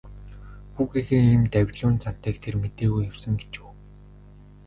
Хүүгийнхээ ийм давилуун зантайг тэр мэдээгүй явсан гэж үү.